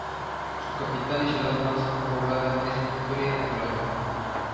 Su capital y ciudad más poblada es Victoria de Durango.